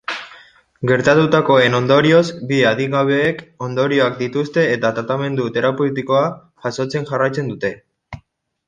Gertatutakoen ondorioz, bi adingabeek ondorioak dituzte eta tratamendu terapeutikoa jasotzen jarraitzen dute.